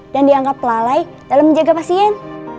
dan dianggap lalai dalam menjaga pasien